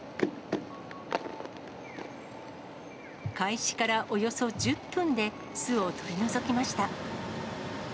開始からおよそ１０分で、巣を取り除きました。